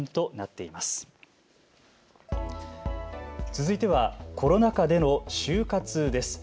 続いてはコロナ禍での終活です。